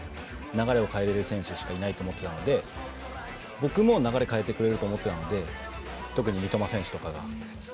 流れを変えられる選手しかいないと思っていたので僕も流れを変えてくれると思っていたので特に三苫選手とかが。